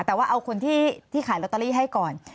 แต่ว่าเอาคนที่ขายลอตเตอรี่ให้ก่อน